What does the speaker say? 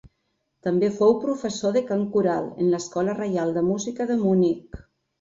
També fou professor de cant coral en l'Escola Reial de Música de Munic.